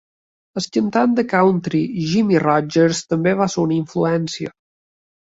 El cantant de country Jimmie Rodgers també va ser una influència.